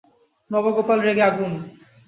নবগোপাল রেগে আগুন।